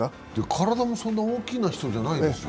体も、そんなに大きな人じゃないでしょう？